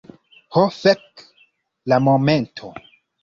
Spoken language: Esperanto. Ho, fek'. La momento.